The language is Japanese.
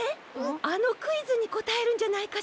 あのクイズにこたえるんじゃないかしら？